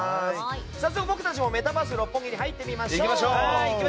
早速僕たちもメタバース六本木に入ってみましょう。